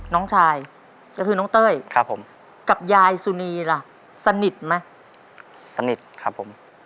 น้องชายก็คือน้องเต้ยครับผมกับยายสุนีล่ะสนิทไหมสนิทครับผม